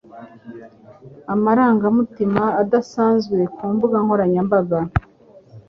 amarangamutima adasanzwe ku mbuga nkoranyambaga